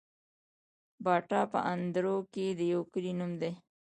باټا په اندړو کي د يو کلي نوم دی